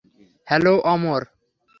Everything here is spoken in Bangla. হ্যালো, অমর।